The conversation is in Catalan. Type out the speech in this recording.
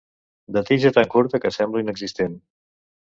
De tija tan curta que sembla inexistent.